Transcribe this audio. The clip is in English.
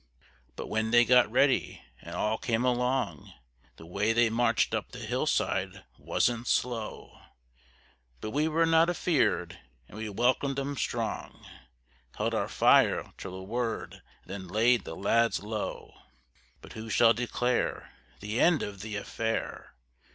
But when they got Ready, and All came along, The way they march'd up the Hill side wasn't slow, But we were not a fear'd, and we welcomed 'em strong, Held our Fire till the Word, and then laid the Lads low! ... But who shall declare The End of the Affair?